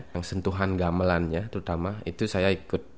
yang sentuhan gamelannya terutama itu saya ikut